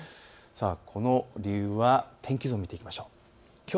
この理由は天気図を見ていきましょう。